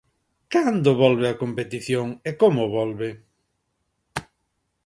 Cando volve a competición e como volve?